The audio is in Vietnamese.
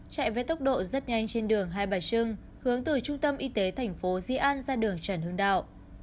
chạy với tốc độ rất nhanh trên đường hai bà trưng hướng từ trung tâm y tế thành phố di an ra đường trần hưng đạo